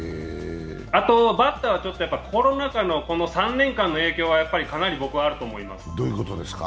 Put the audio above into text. あとバッターはコロナ禍の３年間の影響がかなり僕はあると思います。